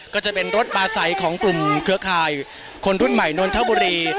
ก็จะเป็นรถปลาใสของกลุ่มเครือข่ายคนรุ่นใหม่นนทบุรี